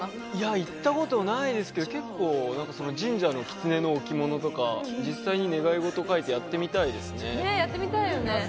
行ったことないですが結構、神社の狐の置き物とか実際に願い事を書いてやってみたいですね。